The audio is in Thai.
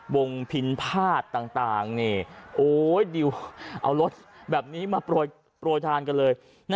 วงพินภาษต่างเอารถแบบนี้มาโปรดทานกันเลย